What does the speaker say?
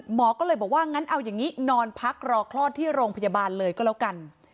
หมอก็เลยบอกว่างั้นเอาอย่างนี้นอนพักรอคลอดที่โรงพยาบาลเลยก็แล้วกัน